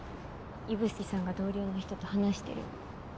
指宿さんが同僚の人と話してるの。